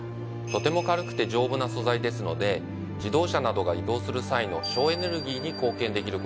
とても軽くて丈夫な素材ですので自動車などが移動する際の省エネルギーに貢献できること。